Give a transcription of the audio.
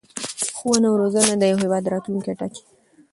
ښوونه او رزونه د یو هېواد راتلوونکی ټاکي.